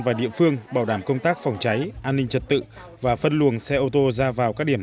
và địa phương bảo đảm công tác phòng cháy an ninh trật tự và phân luồng xe ô tô ra vào các điểm